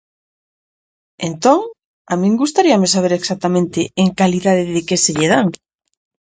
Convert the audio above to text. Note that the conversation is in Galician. Entón, a min gustaríame saber exactamente en calidade de que se lle dan.